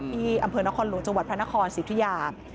ที่อำเภอนครหลวงจังหวัดพระนครสิทธิยา